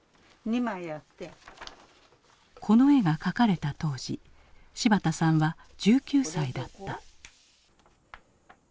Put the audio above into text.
この絵が描かれた当時柴田さんは１９歳だった。